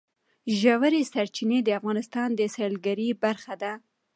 ژورې سرچینې د افغانستان د سیلګرۍ برخه ده.